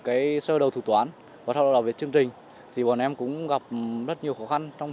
cái sơ đầu thủ toán và sau đó là viết chương trình thì bọn em cũng gặp rất nhiều khó khăn trong